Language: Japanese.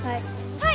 はい！